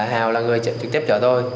hào là người trực tiếp cho tôi